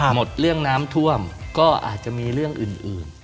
หมดเรื่องน้ำท่วมก็อาจจะมีเรื่องอื่น